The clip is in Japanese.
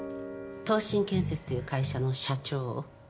藤請建設という会社の社長を。